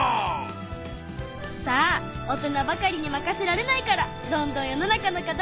さあ大人ばかりに任せられないからどんどん世の中の課題